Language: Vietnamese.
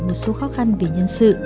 cũng gặp phải một số khó khăn về nhân sự